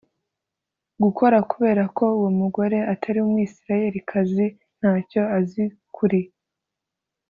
gukora kubera ko uwo mugore atari umwisirayelikazi nta cyo azi kuri